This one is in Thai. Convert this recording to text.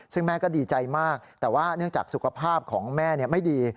ซึ่งแม่ก็ดีใจมากแต่ว่าเนื่องจากสุขภาพของแม่ไม่ดี